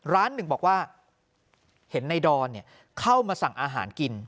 ร้านหนึ่งบอกว่าเห็นในดอนเข้ามาสั่งอาหารกิน